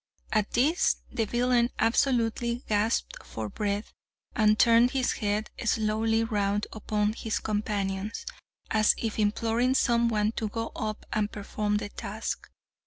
At this the villain absolutely gasped for breath, and turned his head slowly round upon his companions, as if imploring some one to go up and perform the task.